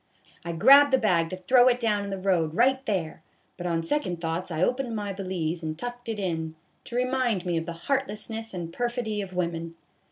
I grabbed the bag to throw it down in the road right there ; but on second thoughts I opened my valise and tucked it in, to remind me of the heartlessness and perfidy of women.